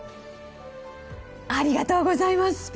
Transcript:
ありがとうございます。